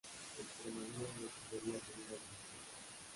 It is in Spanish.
Extremadura descendería a segunda división.